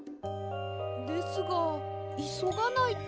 ですがいそがないと。